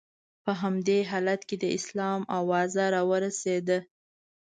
په همدې حالت کې د اسلام اوازه را ورسېده.